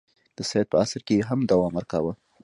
د سید په عصر کې یې هم دوام ورکاوه.